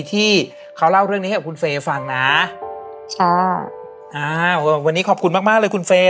ที่เขาเล่าเรื่องนี้ให้กับคุณเฟย์ฟังนะค่ะอ้าววันนี้ขอบคุณมากมากเลยคุณเฟย์